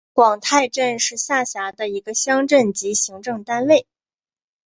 广太镇是下辖的一个乡镇级行政单位。